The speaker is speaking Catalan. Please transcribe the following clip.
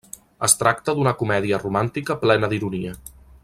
Es tracta d'una comèdia romàntica plena d'ironia.